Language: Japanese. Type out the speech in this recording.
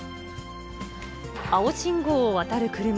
青信号を渡る車。